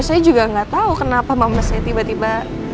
ya saya juga gak tau kenapa mama saya tiba tiba